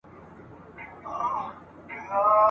یو سړی په دې یخنۍ کي مسافر سو !.